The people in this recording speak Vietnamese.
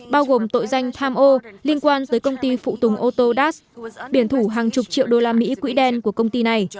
bao gồm tội danh tham ô liên quan tới công ty phụ tùng ô tô das biển thủ hàng chục triệu đô la mỹ quỹ đen của công ty này